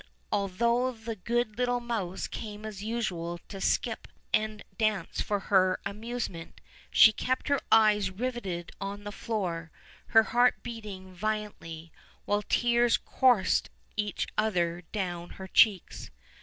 although the good little mouse came as usual to skip and dance for her amusement, she kept her eyes riveted on the floor, her heart beating violently, while tears coursed each other down her cheeks.